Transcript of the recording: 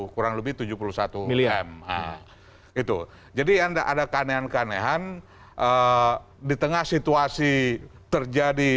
tujuh puluh satu kurang lebih tujuh puluh satu miliar itu jadi anda ada kanehan kanehan eh di tengah situasi terjadi